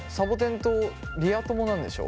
んとリア友なんでしょ？